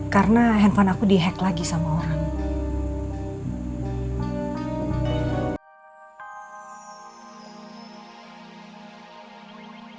karena handphone aku di hack lagi sama orang